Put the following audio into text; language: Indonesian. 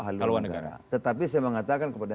halilandara tetapi saya mengatakan kepada